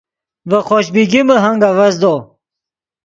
ڤے خوش بیگمے ہنگ اڤزدو